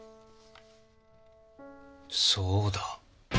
そうだ。